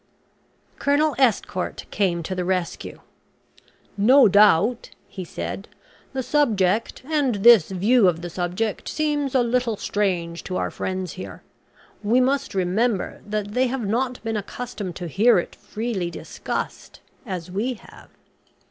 Colonel Estcourt came to the rescue. "No doubt," he said, "the subject and this view of the subject seems a little strange to our friends here. We must remember they have not been accustomed to hear it freely discussed, as we have."